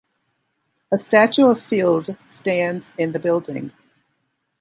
A statue of Field stands in the building.